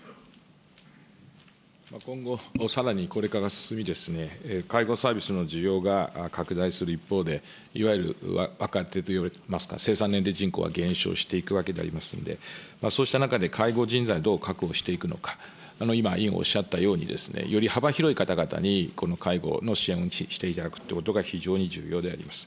今後、さらにこれから進み、介護サービスの需要が拡大する一方で、いわゆる若手といいますか、生産年齢人口は減少していくわけでありますので、そうした中で介護人材をどう確保していくのか、今、委員おっしゃったように、より幅広い方々に、この介護の支援をしていただくということが非常に重要であります。